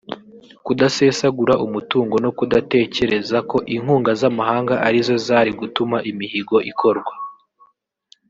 kudasesagura umutungo no kudatekereza ko inkunga z’amahanga ari zo zari gutuma imihigo ikorwa